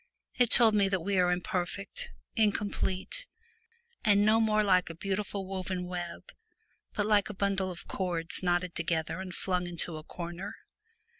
It told me that we are imperfect, incomplete, and no more like a beautiful woven web, but like a bundle of cords knotted together and flung into a corner.